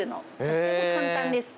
とっても簡単です。